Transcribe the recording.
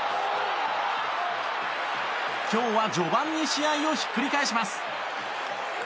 今日は序盤に試合をひっくり返します。